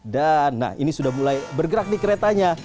dan ini sudah mulai bergerak di keretanya